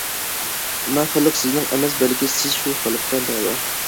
ئەمما خەلق سىزنىڭ ئەمەس، بەلكى، سىز شۇ خەلققە تەۋە.